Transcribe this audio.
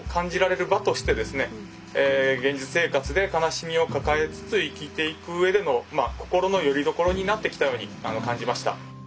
現実生活で悲しみを抱えつつ生きていくうえでの心のよりどころになってきたように感じました。